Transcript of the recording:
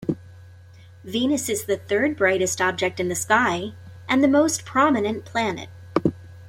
Venus is the third-brightest object in the sky and the most prominent planet.